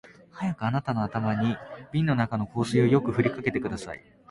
早くあなたの頭に瓶の中の香水をよく振りかけてください